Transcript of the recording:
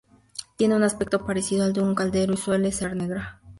Tiene un aspecto parecido al de un caldero y suele ser negra.